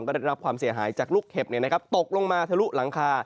ก็ได้รับความเสียหายจากลูกเห็บตกลงมาทะลุหลังคา